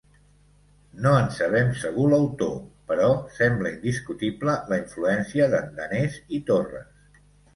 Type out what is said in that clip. No en sabem segur l'autor, però sembla indiscutible la influència d'en Danés i Torres.